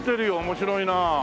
面白いな。